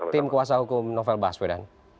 tim kuasa hukum novel baswedan